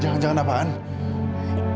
jangan jangan dia minta maaf sama aku